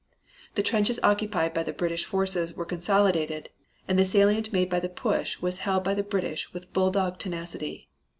The trenches occupied by the British forces were consolidated and the salient made by the push was held by the British with bulldog tenacity.